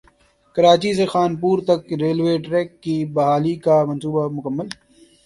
کراچی سے خانپور تک railway track کی بحالی کا منصوبہ مکمل